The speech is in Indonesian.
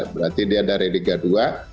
berarti dia dari liga dua